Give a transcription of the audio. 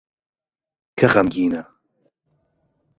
کە خەمگینە